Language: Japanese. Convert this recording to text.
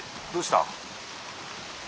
どうした？